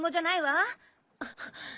あっ。